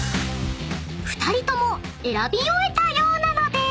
［２人とも選び終えたようなので］